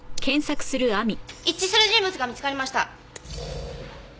一致する人物が見つかりました。